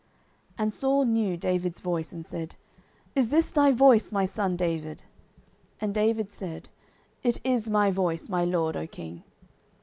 09:026:017 And Saul knew David's voice, and said, Is this thy voice, my son David? And David said, It is my voice, my lord, O king.